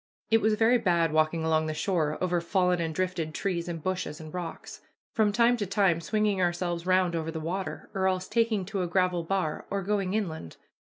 It was very bad walking along the shore over fallen and drifted trees and bushes, and rocks, from time to time swinging ourselves round over the water, or else taking to a gravel bar or going inland.